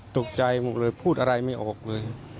ตกใจหมดเลยพูดอะไรไม่ออกเลย